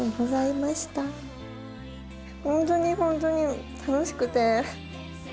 本当に本当に楽しくて。